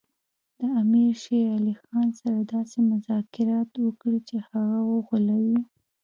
د امیر شېر علي خان سره داسې مذاکرات وکړي چې هغه وغولوي.